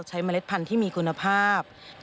เมล็ดพันธุ์ที่มีคุณภาพ